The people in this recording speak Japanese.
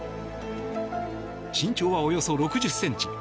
身長は、およそ６０ｃｍ。